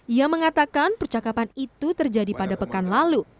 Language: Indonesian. ia mengatakan percakapan itu terjadi pada pekan lalu